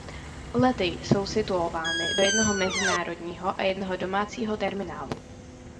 Lety jsou situovány do jednoho mezinárodního a jednoho domácího terminálu.